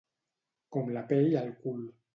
Com la pell al cul.